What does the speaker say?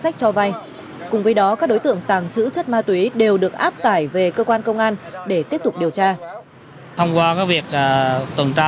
các đối tượng tàng trữ chất ma túy đều được áp tải về cơ quan công an để tiếp tục điều tra